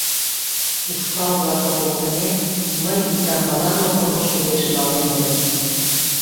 Ушкал-влакым поктымек, мый вӱтамбалан оптымо шудеш малем ыле.